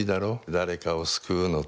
誰かを救うのって。